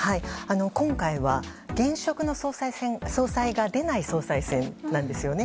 今回は、現職の総裁が出ない総裁選なんですよね。